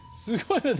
すごい。